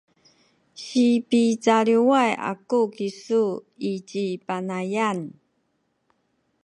sipicaliway aku kisu i ci Panayan